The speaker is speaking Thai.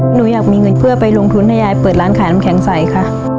หนูอยากมีเงินเพื่อไปลงทุนให้ยายเปิดร้านขายน้ำแข็งใสค่ะ